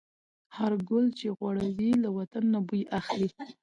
هر ګل چې غوړي، له وطن نه بوی اخلي